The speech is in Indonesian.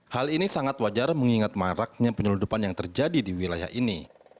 hal ini sangat wajar mengingat maraknya penyeludupan yang terjadi di wilayah ini